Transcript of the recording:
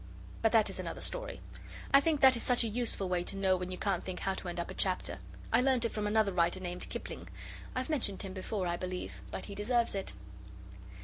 But that is another story. I think that is such a useful way to know when you can't think how to end up a chapter. I learnt it from another writer named Kipling. I've mentioned him before, I believe, but he deserves it!